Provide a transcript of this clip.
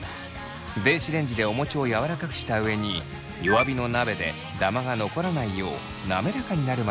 電子レンジでお餅をやわらかくした上に弱火の鍋でダマが残らならないよう滑らかになるまでのばしました。